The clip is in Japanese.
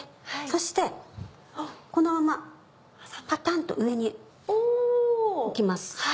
そしてこのままパタンと上に置きます。